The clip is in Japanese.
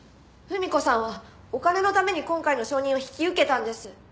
文子さんはお金のために今回の証人を引き受けたんです。